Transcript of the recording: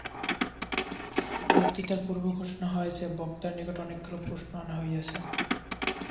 বক্তৃতার পূর্বে ঘোষণা হয় যে, বক্তার নিকট অনেকগুলি প্রশ্ন আনা হইয়াছে।